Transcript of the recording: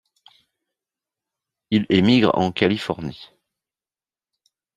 Il émigre en Californie.